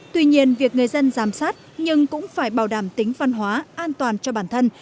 tuy nhiên việc người dân giám sát nhưng cũng phải bảo đảm tính văn hóa an toàn cho bản thân